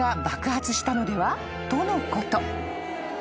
［とのこと］